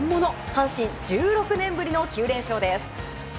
阪神、１６年ぶりの９連勝です。